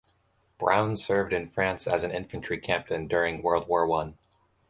Brown served in France as an infantry captain during World War One.